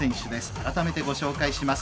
改めてご紹介します。